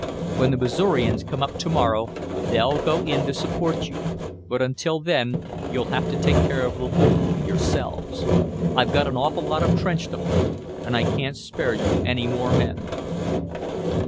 When the Missourians come up tomorrow, they'll go in to support you, but until then you'll have to take care of the loop yourselves. I've got an awful lot of trench to hold, and I can't spare you any more men."